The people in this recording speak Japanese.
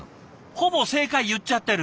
ほぼ正解言っちゃってる。